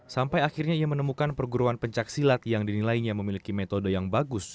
sampai akhirnya ia menemukan perguruan pencaksilat yang dinilainya memiliki metode yang bagus